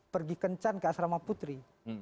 pergi kencan ke asrama putri